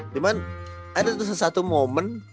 cuman ada sesuatu momen